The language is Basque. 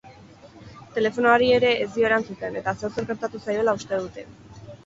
Telefonoari ere ez dio erantzuten eta zeozer gertatu zaiola uste dute.